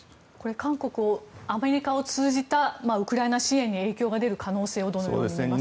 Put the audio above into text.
韓国、アメリカを通じたウクライナ支援に影響が出る可能性をどのように見ますか。